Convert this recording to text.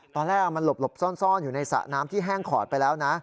ตอนแรกมันหลบซ่อนอยู่ในสระน้ำที่แห้งขอดไปแล้วนะ